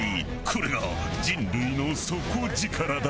これが人類の底力だ。